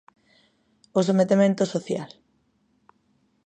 O sometemento social.